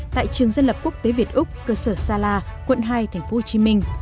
tại trường dân lập quốc tế việt úc cơ sở sala quận hai tp hcm